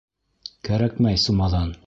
Кәрәкмәй сумаҙан!